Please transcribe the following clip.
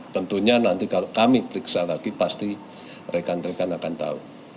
tentunya nanti kalau kami periksa lagi pasti rekan rekan akan tahu